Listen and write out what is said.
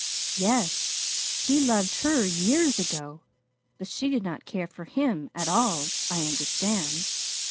"Yes. He loved her years ago, but she did not care for him at all, I understand.